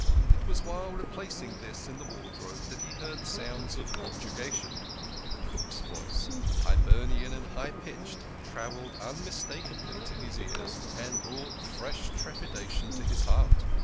It was while replacing this in the wardrobe that he heard sounds of objurgation. The cook's voice Hiber nian and high pitched travelled unmistakably to his ears, and brought fresh trepidation to his heart.